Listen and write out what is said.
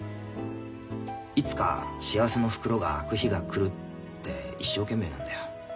いつか幸せの袋が開く日が来るって一生懸命なんだよ。